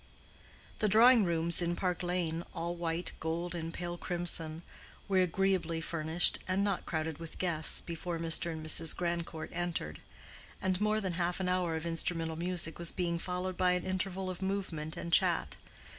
The drawing rooms in Park Lane, all white, gold, and pale crimson, were agreeably furnished, and not crowded with guests, before Mr. and Mrs. Grandcourt entered; and more than half an hour of instrumental music was being followed by an interval of movement and chat.